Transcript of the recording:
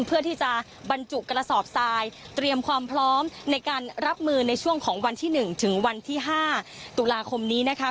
เพื่อที่จะบรรจุกระสอบทรายเตรียมความพร้อมในการรับมือในช่วงของวันที่๑ถึงวันที่๕ตุลาคมนี้นะคะ